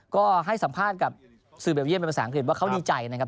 ก็ให้สัมภาษณ์กับสื่อเบลเยี่ยมเป็นภาษาอังกฤษว่าเขาดีใจนะครับ